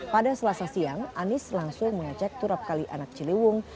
pada selasa siang anies langsung mengecek turap kali anak ciliwung